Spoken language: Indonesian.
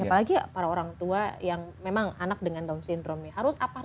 apalagi para orang tua yang memang anak dengan down syndrome harus aparte